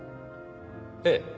ええ。